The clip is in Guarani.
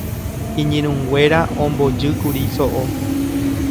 iñirũnguéra ombojýkuri so'o